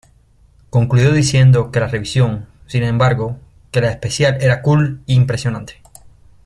Concluyó diciendo que la revisión, sin embargo, que la especial era "cool" y "impresionante".